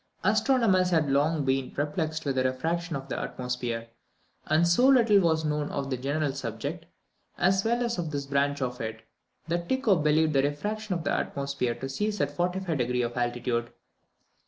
Astronomers had long been perplexed with the refraction of the atmosphere, and so little was known of the general subject, as well as of this branch of it, that Tycho believed the refraction of the atmosphere to cease at 45° of altitude.